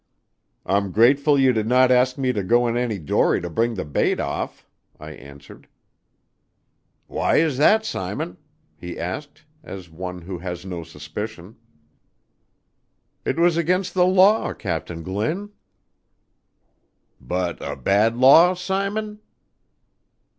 "I'm grateful you did not ask me to go in any dory to bring the bait off," I answered. "Why is that, Simon?" he asked, as one who has no suspicion. "It was against the law, Captain Glynn." "But a bad law, Simon?"